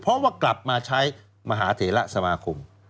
เพราะว่ากลับมาใช้มหาเถระสมาคม